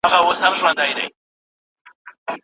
د اګوست کنټ کتابونه ولولئ.